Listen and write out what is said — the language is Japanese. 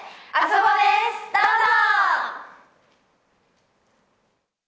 どうぞ！